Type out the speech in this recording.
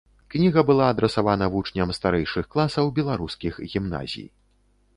Кніга была адрасавана вучням старэйшых класаў беларускіх гімназій.